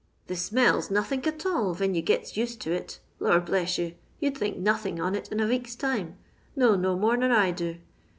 The smells nothink at all, ven you giu used to it. Lor' bless you ! you 'd think nothink on it in a vcek's time, — no, no more nor I do.